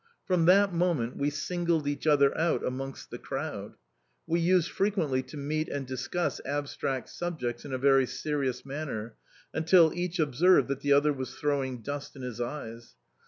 From that moment we singled each other out amongst the crowd. We used frequently to meet and discuss abstract subjects in a very serious manner, until each observed that the other was throwing dust in his eyes.